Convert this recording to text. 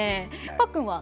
パックンは？